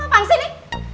apaan sih ini